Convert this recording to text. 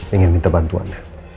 ingin minta bantuan